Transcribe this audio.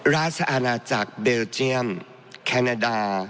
ราชอาณาจักรเบลเจียมแคนาดา